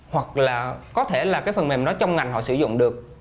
hoặc là có thể là cái phần mềm đó trong ngành họ sử dụng được